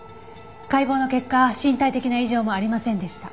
解剖の結果身体的な異常もありませんでした。